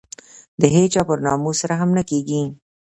د هېچا پر ناموس رحم نه کېږي.